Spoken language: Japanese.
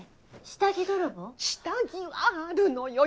下着はあるのよ！